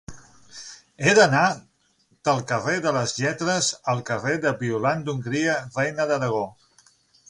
He d'anar del carrer de les Lletres al carrer de Violant d'Hongria Reina d'Aragó.